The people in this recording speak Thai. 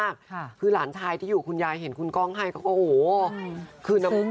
สีที่ห่างดูเขาสีห่างสีจากมือกำกัง